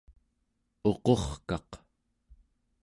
uqurkaq